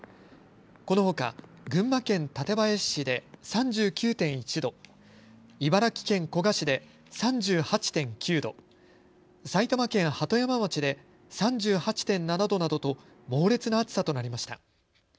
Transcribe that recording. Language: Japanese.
このほか、群馬県館林市で３９．１度、茨城県古河市で３８．９度、埼玉県鳩山町で３８．７度などと猛烈な暑さとなりました。